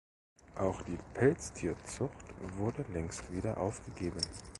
Auch die Pelztierzucht wurde längst wieder aufgegeben.